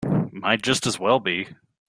Might just as well be.